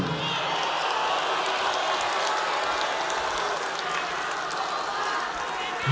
tidak saya minta keberadaan